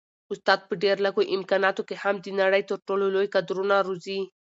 استاد په ډېر لږ امکاناتو کي هم د نړۍ تر ټولو لوی کدرونه روزي.